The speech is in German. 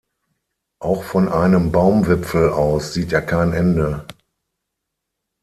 Auch von einem Baumwipfel aus sieht er kein Ende.